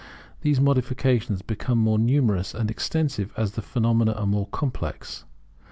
These modifications become more numerous and extensive as the phenomena are more complex.